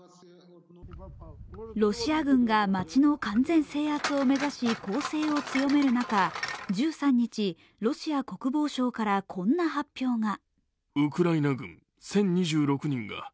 ロシア軍が街の完全制圧を目指し、攻勢を強める中、１３日、ロシア国防省から、こんな発表が。